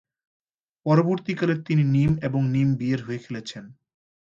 পরবর্তীকালে, তিনি নিম এবং নিম বি-এর হয়ে খেলেছেন।